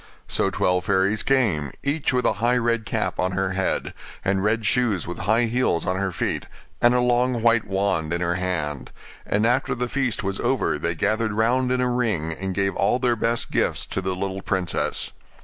So twelve fairies came, each with a high red cap on her head, and red shoes with high heels on her feet, and a long white wand in her hand: and after the feast was over they gathered round in a ring and gave all their best gifts to the little princess.